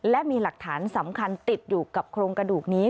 และมีหลักฐานสำคัญติดอยู่กับโครงกระดูกนี้